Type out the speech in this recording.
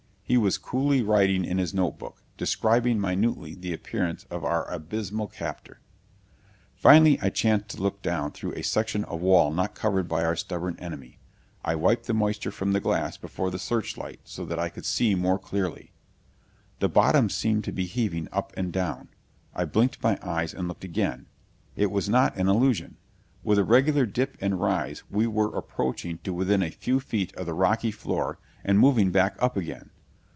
He was coolly writing in his notebook, describing minutely the appearance of our abysmal captor. Finally I chanced to look down through a section of wall not covered by our stubborn enemy. I wiped the moisture from the glass before the searchlight so that I could see more clearly. The bottom seemed to be heaving up and down. I blinked my eyes and looked again. It was not an illusion. With a regular dip and rise we were approaching to within a few feet of the rocky floor and moving back up again.